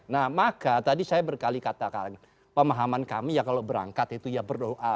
nah maka tadi saya berkali katakan pemahaman kami ya kalau berangkat itu ya berdoa